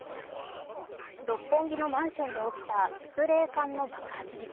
六本木のマンションで起きたスプレー缶の爆発事故。